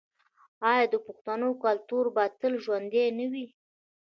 آیا د پښتنو کلتور به تل ژوندی نه وي؟